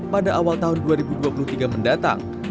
pada awal tahun dua ribu dua puluh tiga mendatang